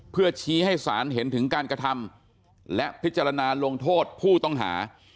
เพื่อชี้ให้สารเห็นถึงการกระทำและพิจารณาลงโทษผู้ต้องหา